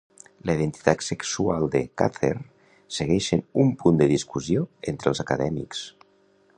La identitat sexual de Cather segueix sent un punt de discussió entre els acadèmics.